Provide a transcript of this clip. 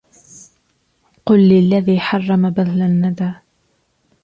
قل للذي حرم بذل الندى